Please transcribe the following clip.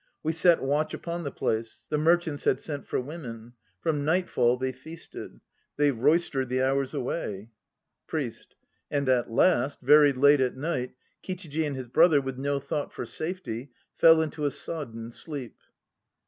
We set watch upon the place. The merchants had sent for women. From nightfall they feasted. They roystered the hours away PRIEST. And at last, very late at night, Kichiji and his brother, with no thought for safety, Fell into a sodden sleep.